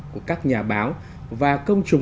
của các nhà báo và công chúng